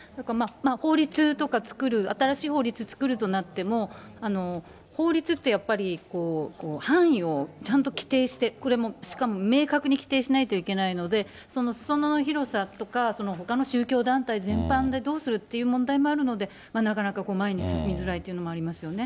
法律とか作る、新しい法律を作るとなっても、法律ってやっぱり範囲をちゃんと規定して、これもしかも明確に規定しないといけないので、そのすそ野の広さとか、ほかの宗教団体全般でどうするっていう問題もあるので、なかなか前に進みづらいっていうのもありますよね。